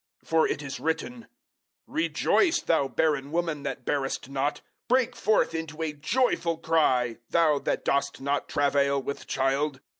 004:027 For it is written, "Rejoice, thou barren woman that bearest not, break forth into a joyful cry, thou that dost not travail with child.